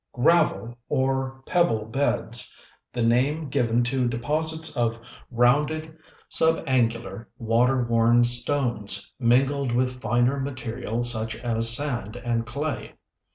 GRAVEL, or PEBBLE BEDS, the name given to deposits of rounded, subangular, water worn stones, mingled with finer material such as sand and clay.